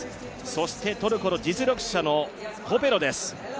そしてトルコの実力者のコペロです。